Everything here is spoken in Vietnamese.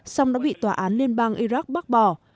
song đã bị tòa án liên bang iraq bác bỏ